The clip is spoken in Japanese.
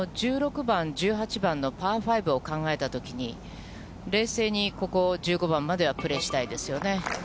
１６番、１８番のパー５を考えたときに、冷静にここ、１５番まではプレーしたいですよね。